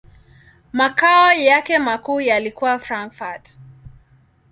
Makao yake makuu yalikuwa Frankfurt.